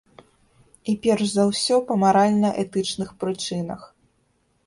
І перш за ўсё па маральна-этычных прычынах.